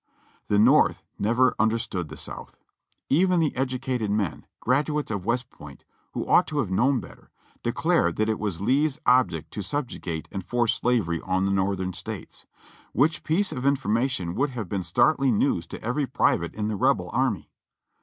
The North never understood the South. Even the educated men, graduates of West Point, who ought to have known better, declare that it was Lee's object to subjugate and force slavery on the Northern States ; which piece of information would have been startling news to every private in the Rebel Army.